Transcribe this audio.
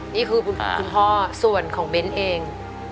นี่คือคุณพ่อส่วนของเบ้นเอง